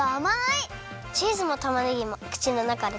チーズもたまねぎもくちのなかでとろけます。